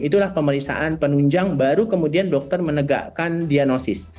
itulah pemeriksaan penunjang baru kemudian dokter menegakkan diagnosis